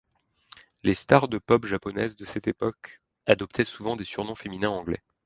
Les stars de pop japonaises de cette époque adoptaient souvent des surnoms féminins anglais.